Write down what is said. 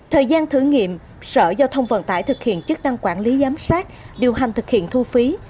thời gian thử nghiệm sở giao thông vận tải thực hiện chức năng quản lý giám sát điều hành thực hiện thu phí